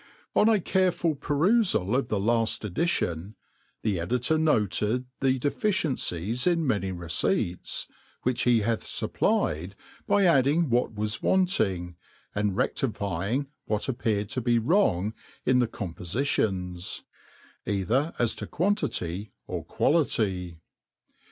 >* On a careful perufdl of the laft Edition^ the Editor noted the deficiencies in many receipts s which he hath fupplied^ hy adding what was wanting^ and reSlifying what ap^ feared to be wrong in the cbmpojttionsy either as to quantity cr quality.